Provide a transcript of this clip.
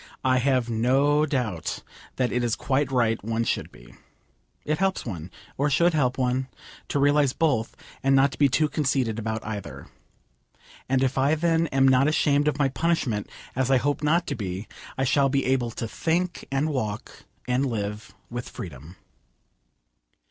I have no doubt that it is quite right one should be. It helps one, or should help one, to realise both, and not to be too conceited about either. And if I then am not ashamed of my punishment, as I hope not to be, I shall be able to think, and walk, and live with freedom.